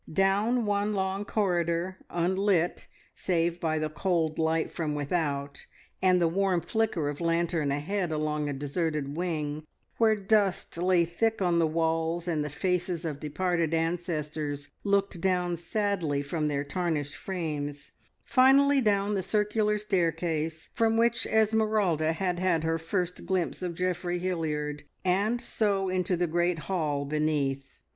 Down one long corridor, unlit save by the cold light from without and the warm flicker of lantern ahead along a deserted wing, where dust lay thick on the walls and the faces of departed ancestors looked down sadly from their tarnished frames, finally down the circular staircase, from which Esmeralda had had her first glimpse of Geoffrey Hilliard, and so into the great hall beneath.